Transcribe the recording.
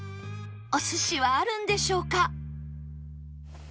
お寿司はあるんでしょうか？